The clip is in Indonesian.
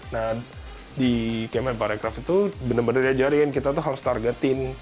nah di kementerian pariwisata itu benar benar diajarin kita harus targetin